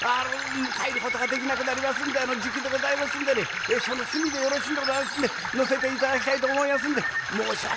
帰ることができなくなりますんでじきでございますんでねその隅でよろしいんでございますんで乗せて頂きたいと思いますんで申し訳ございません！